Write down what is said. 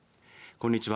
こんにちは。